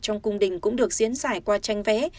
trong cung đình cũng được diễn giải qua tranh vẽ